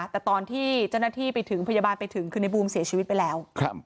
แต่ตอนที่เจ้าหน้าที่ไปถึงบูมก็เสียชีวิตไปแล้ว